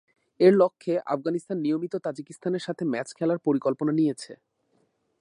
এর লক্ষ্যে আফগানিস্তান নিয়মিত তাজিকিস্তানের সাথে ম্যাচ খেলার পরিকল্পনা নিয়েছে।